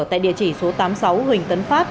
tại địa chỉ số tám mươi sáu huỳnh tấn phát